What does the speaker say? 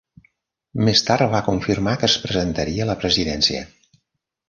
Més tard va confirmar que es presentaria a la presidència.